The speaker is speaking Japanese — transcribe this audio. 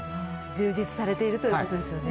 充実されているということですよね。